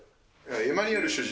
エマニエル主人。